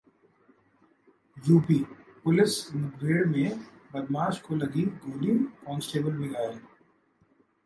UP police मुठभेड में बदमाश को लगी गोली, कांस्टेबल भी घायल